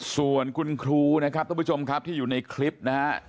ส่วนคุณครูนะครับทุกผู้ชมครับที่อยู่ในคลิปนะฮะ